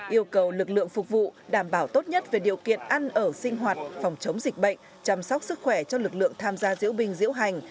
yêu cầu lực lượng phục vụ đảm bảo tốt nhất về điều kiện ăn ở sinh hoạt phòng chống dịch bệnh chăm sóc sức khỏe cho lực lượng tham gia diễu binh diễu hành